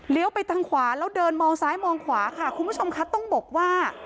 ไปทางขวาแล้วเดินมองซ้ายมองขวาค่ะคุณผู้ชมคะต้องบอกว่า